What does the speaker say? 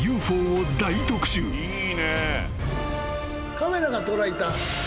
カメラが捉えた。